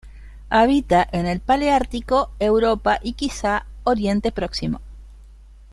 Habita en el paleártico: Europa y quizá Oriente Próximo.